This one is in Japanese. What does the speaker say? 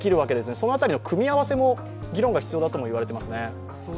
そのあたりの組み合わせの議論が必要だともいえますね。